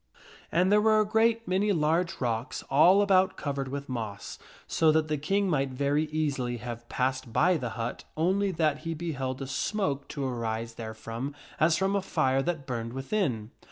And there were a great many large rocks all about covered with moss, so that the King might very easily have passed by the hut only that he beheld a smoke to arise therefrom as from a fire that burned within.